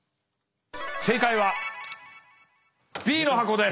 正解はＢの箱です。